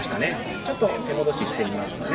ちょっと手戻ししてみますかね。